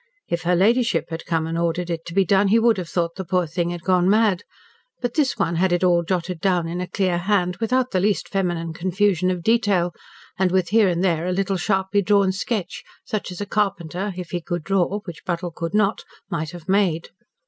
If her ladyship had come and ordered it to be done, he would have thought the poor thing had gone mad. But this one had it all jotted down in a clear hand, without the least feminine confusion of detail, and with here and there a little sharply drawn sketch, such as a carpenter, if he could draw, which Buttle could not, might have made.